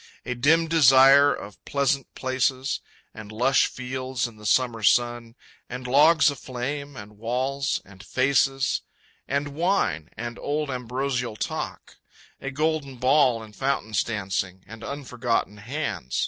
A dim desire, of pleasant places, And lush fields in the summer sun, And logs aflame, and walls, and faces, And wine, and old ambrosial talk, A golden ball in fountains dancing, And unforgotten hands.